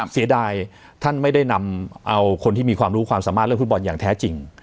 เสียดายท่านไม่ได้นำเอาคนที่มีความรู้ความสามารถเรื่องฟุตบอลอย่างแท้จริง